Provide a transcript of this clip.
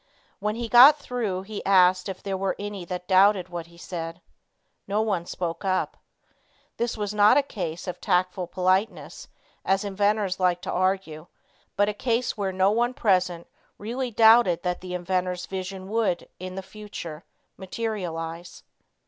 When he got through he asked if there were any that doubted what he said. No one spoke up. This was not a case of tactful politeness, as inventors like to argue, but a case where no one present really doubted that the inventor's vision would, in the future, materialize.